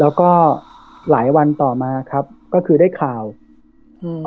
แล้วก็หลายวันต่อมาครับก็คือได้ข่าวอืม